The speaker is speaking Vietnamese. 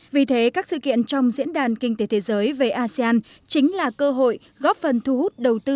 vì thế các sự kiện trong diễn đàn kinh tế thế giới về asean chính là cơ hội góp phần thu hút đầu tư